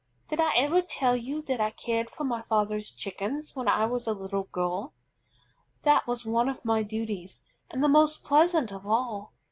Did I ever tell you that I cared for my father's Chickens when I was a little girl? That was one of my duties, and the most pleasant of all.